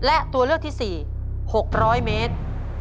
และตัวเลือกที่๔๖๐๐เมตร